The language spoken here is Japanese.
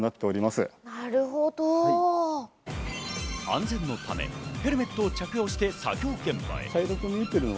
安全のため、ヘルメットを着用して作業現場へ。